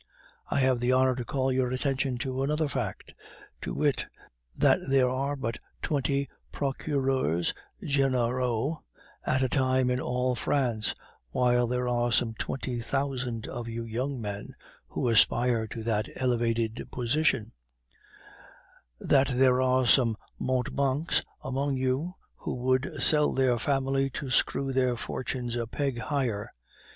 I have the honor to call your attention to another fact: to wit, that there are but twenty Procureurs Generaux at a time in all France, while there are some twenty thousand of you young men who aspire to that elevated position; that there are some mountebanks among you who would sell their family to screw their fortunes a peg higher.